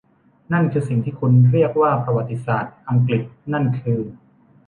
นั่นคือสิ่งที่คุณเรียกว่าประวัติศาสตร์อังกฤษนั่นคือ